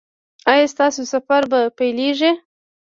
ایا ستاسو سفر به پیلیږي؟